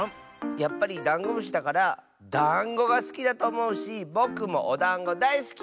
やっぱりダンゴムシだからだんごがすきだとおもうしぼくもおだんごだいすき。